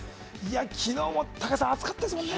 昨日も高橋さん、暑かったですよね。